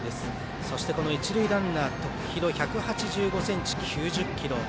そして一塁ランナー、徳弘１８９ｃｍ９０ｋｇ。